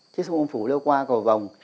chiếc súng ôm phủ leo qua cầu vòng